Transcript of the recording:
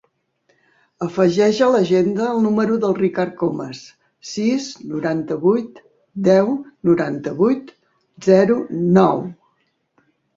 Afegeix a l'agenda el número del Ricard Comas: sis, noranta-vuit, deu, noranta-vuit, zero, nou.